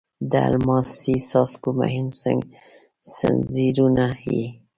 د الماسې څاڅکو مهین ځنځیرونه یې